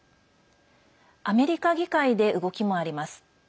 アメリカ議会で動きもあります。